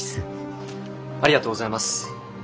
ありがとうございます。